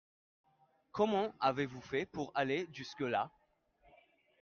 Comment avez-vous fait pour aller jusque là ?